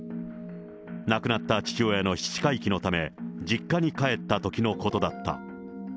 亡くなった父親の七回忌のため、実家に帰ったときのことだった。